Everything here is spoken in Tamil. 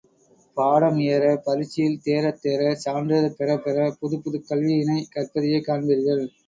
பாடம் ஏற, பரீட்சையில் தேறத் தேற, சான்றிதழ் பெறப் பெற புதுப் புதுக் கல்வியினைக் கற்பதையே காண்பீர்கள்.